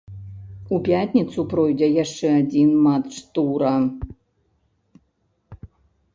У пятніцу пройдзе яшчэ адзін матч тура.